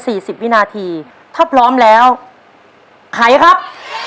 สิบวินาทีถ้าพร้อมแล้วไขครับ